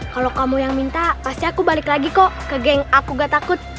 kalau kamu yang minta pasti aku balik lagi kok ke geng aku gak takut